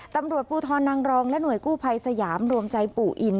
ตำรวจภูทรนางรองและหน่วยกู้ภัยสยามรวมใจปู่อิน